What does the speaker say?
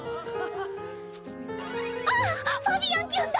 あっファビアンきゅんだ！